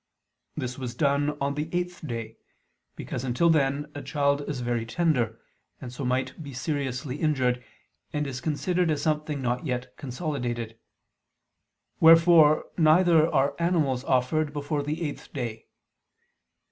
This was done on the eighth day, because until then a child is very tender, and so might be seriously injured; and is considered as something not yet consolidated: wherefore neither are animals offered before the eighth day.